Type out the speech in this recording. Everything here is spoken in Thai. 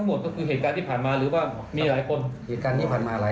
เหตุการณ์ที่ผ่านมาหลายเหตุการณ์